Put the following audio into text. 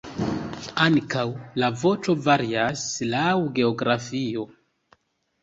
Ankaŭ la voĉo varias laŭ geografio.